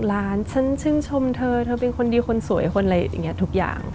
ล้านฉันชื่นชมเธอเธอเป็นคนดีคนสวยคนอะไรอย่างนี้ทุกอย่าง